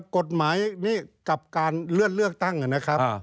กฎหมายนี้กับการเลื่อนเลือกตั้งนะครับ